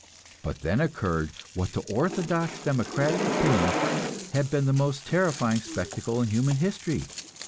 But then occurred what to orthodox democratic opinion has been the most terrifying spectacle in human history.